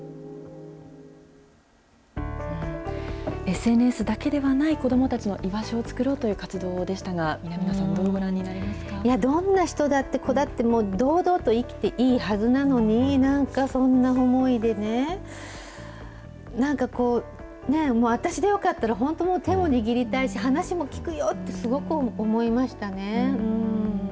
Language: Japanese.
ＳＮＳだけではない子どもたちの居場所を作ろうという活動でしたが、南野さん、どんな人だって、子だって堂々と生きていいはずなのに、なんかそんな思いでね、なんか私でよかったら、本当、手も握りたいし、話も聞くよってすごく思いましたね。